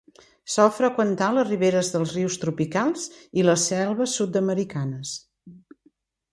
Sol freqüentar les riberes dels rius tropicals i les selves sud-americanes.